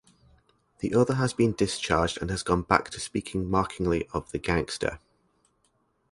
The other has been discharged and has gone back to speaking mockingly of the gangster.